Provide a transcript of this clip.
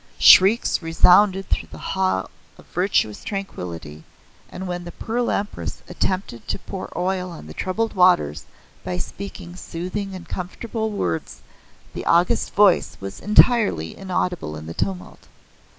Shrieks resounded through the Hall of Virtuous Tranquillity, and when the Pearl Empress attempted to pour oil on the troubled waters by speaking soothing and comfortable words, the august Voice was entirely inaudible in the tumult.